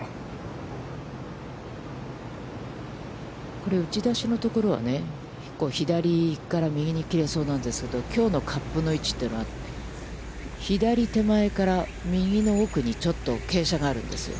これ、打ち出しのところは、左から右に切れそうなんですけど、きょうのカップの位置は左手前から、右の奥にちょっと、傾斜があるんですよ。